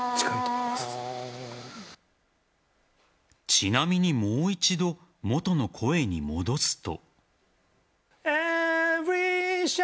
ちなみに、もう一度元の声に戻すと。